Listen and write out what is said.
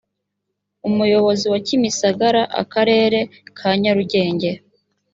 umuyobozi wa kimisagara akarere ka nyarugenge